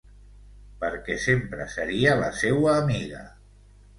Perquè sempre seria la seua amiga...